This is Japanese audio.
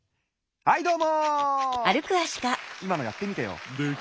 はいどうも。